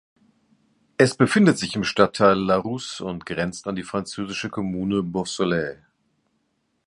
Es befindet sich im Stadtteil La Rousse und grenzt an die französische Kommune Beausoleil.